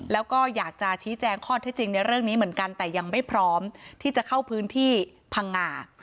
แล้วก็อยากจะชี้แจงข้อเท็จจริงในเรื่องนี้เหมือนกันแต่ยังไม่พร้อมที่จะเข้าพื้นที่พังงา